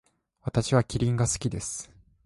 私はキリンが好きです。